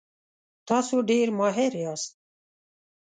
تاسو ډیر ماهر یاست.